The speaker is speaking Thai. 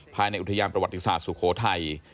ภายในอุทยานประวัติศาสตร์สุโขทัย